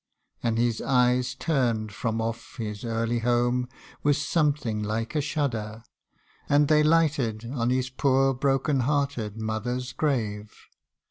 And his eyes turned from off his early home With something like a shudder ; and they lighted On his poor broken hearted mother's grave.